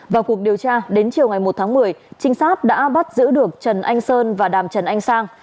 vào cuộc điều tra đến chiều ngày một tháng một mươi trinh sát đã bắt giữ được trần anh sơn và đàm trần anh sang